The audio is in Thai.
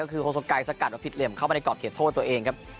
ก็คือโศกัยสกัดแบบผิดเหลี่ยมเข้ามาในกรอบเขตโทษตัวเองครับ